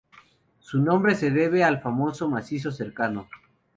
Su nombre se debe al famoso macizo cercano.